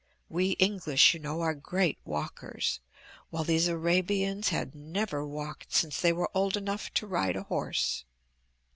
We English, you know, are great walkers, while these Arabians had never walked since they were old enough to ride a horse.